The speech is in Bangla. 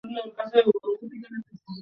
তারপর একদিন এসে চা খেয়ে যাব।